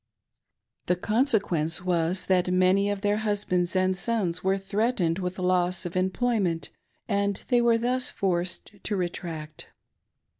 The conse quence was that many of their husbands and sons were threatened with loss of employment, and they were thus forced to retract.